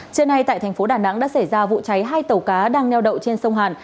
trưa nay tại thành phố đà nẵng đã xảy ra vụ cháy hai tàu cá đang neo đậu trên sông hàn